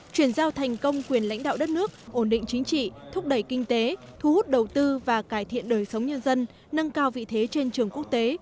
chuyển giao thành công quyền lãnh đạo đất nước ổn định chính trị thúc đẩy kinh tế thu hút đầu tư và cải thiện đời sống nhân dân nâng cao vị thế trên trường quốc tế